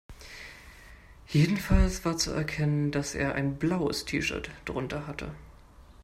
Jedenfalls war zu erkennen, dass er ein blaues T-Shirt drunter hatte.